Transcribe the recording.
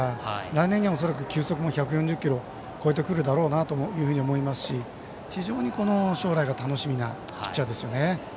来年には恐らく球速も１４０キロを超えてくると思いますし、非常に将来が楽しみなピッチャーですね。